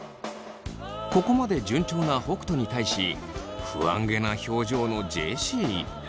ここまで順調な北斗に対し不安げな表情のジェシー。